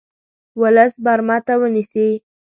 ولس برمته ونیسي.